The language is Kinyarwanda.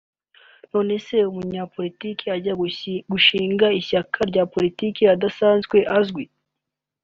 none se umunyapolitiki ajya gushinga ishyaka rya politiki adasanzwe azwi